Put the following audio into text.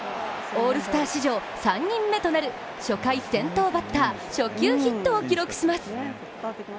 オールスター史上３人目となる初回先頭バッター、初球ヒットを記録します。